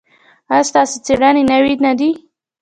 ایا ستاسو څیړنې نوې نه دي؟